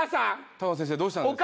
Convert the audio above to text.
高野先生どうしたんですか？